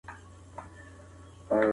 ښاري مرکزونه باید د اوسېدو وړ وي.